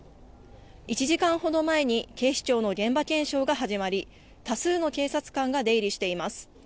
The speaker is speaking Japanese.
１時間ほど前に警視庁の現場検証が始まり、多数の警察官が出入りしています。